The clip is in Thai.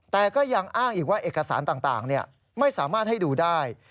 แต่ก็ยังอ้างอีกว่าเอกสารต่างไม่สามารถให้ดูได้